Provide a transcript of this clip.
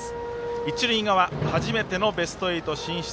一塁側、初めてのベスト８進出